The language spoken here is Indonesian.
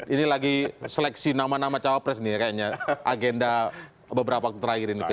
ini lagi seleksi nama nama cawapres nih ya kayaknya agenda beberapa waktu terakhir ini p tiga